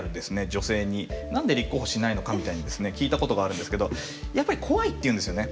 女性に何で立候補しないのかみたいに聞いたことがあるんですけどやっぱり怖いって言うんですよね。